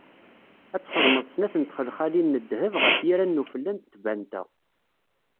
Ad txedmeḍ snat n txelxalin n ddheb ɣef yiran n ufella n tbanta.